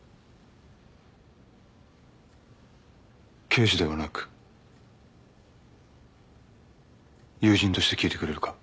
刑事ではなく友人として聞いてくれるか？